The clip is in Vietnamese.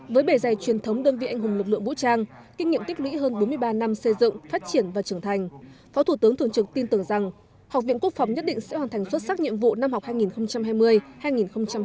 với bề dày truyền thống đơn vị anh hùng lực lượng vũ trang kinh nghiệm tiếp lũy hơn bốn mươi ba năm xây dựng